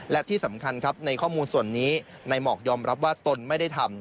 และที่สำคัญครับในข้อมูลส่วนนี้นายหมอกยอมรับว่าตนไม่ได้ทำ